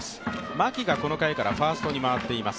牧がこの回からファーストに回っています。